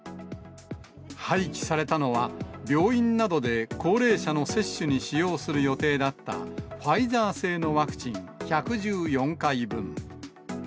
廃棄されたのは、病院などで高齢者の接種に使用する予定だった、ファイザー製のワクチン１１４回分。